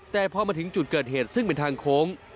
แต่พอมาถึงจุดเกิดเหตุซึ่งเป็นทางโค้ง